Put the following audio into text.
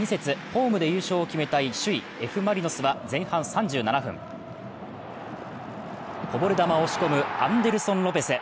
ホームで優勝を決めたい首位Ｆ・マリノスは前半３７分こぼれ球を押し込むアンデルソン・ロペス。